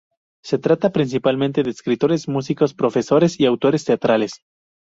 Se trata principalmente de escritores, músicos, profesores y autores teatrales.